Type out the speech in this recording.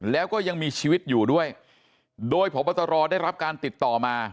แล้วก็ยังมีชีวิตอยู่ด้วยโดยพบตรได้รับการติดต่อมา